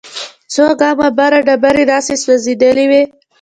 څو ګامه بره ډبرې داسې سوځېدلې وې.